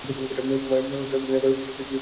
সে তোমায় ঘৃণা করলেও কিছু আসে যায় না!